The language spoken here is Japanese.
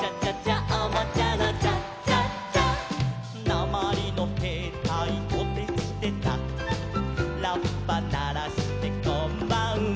「なまりのへいたいトテチテタ」「ラッパならしてこんばんは」